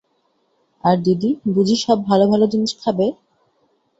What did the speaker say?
আর দিদি বুঝি সব ভালো ভালো জিনিস খাবে?